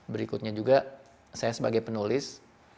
berikutnya juga saya sebagai penulis